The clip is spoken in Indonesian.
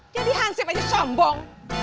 jadi hansip aja sombong